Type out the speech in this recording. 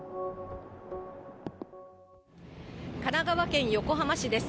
神奈川県横浜市です。